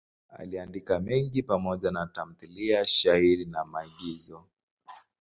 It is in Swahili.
Aliandika mengi pamoja na tamthiliya, shairi na maigizo.